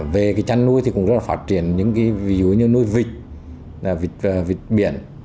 về chăn nuôi thì cũng rất là phát triển ví dụ như nuôi vịt vịt biển